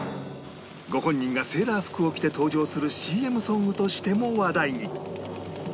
ご本人がセーラー服を着て登場する ＣＭ ソングとしても話題に